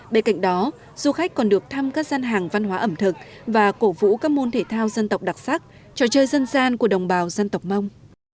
bên cạnh đó du khách còn được thăm các gian hàng văn hóa ẩm thực và cổ vũ các môn thể thao dân tộc đặc sắc trò chơi dân gian của đồng bào dân tộc mông